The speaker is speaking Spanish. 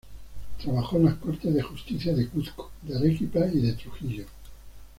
Trabajó en Las Cortes de Justicia del Cuzco, de Arequipa y de Trujillo.